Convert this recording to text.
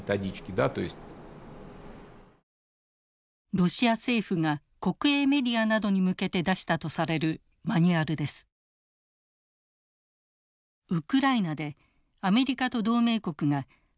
ロシア政府が国営メディアなどに向けて出したとされるマニュアルです。と記されていました。